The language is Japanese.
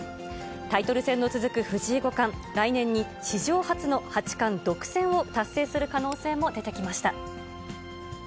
タイトル戦の続く藤井五冠、来年に史上初の八冠独占を達成する可能性も出てきました。